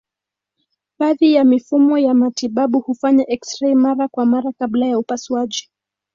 Baadhi ya mifumo ya matibabu hufanya eksirei mara kwa mara kabla ya upasuaji.